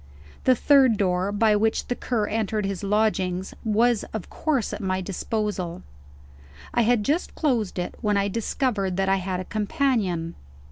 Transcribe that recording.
The third door, by which the Cur entered his lodgings, was of course at my disposal. I had just closed it, when I discovered that I had a companion.